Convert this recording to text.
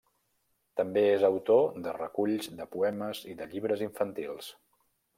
També és autor de reculls de poemes i de llibres infantils.